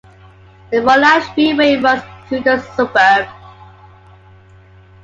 The Monash Freeway runs through the suburb.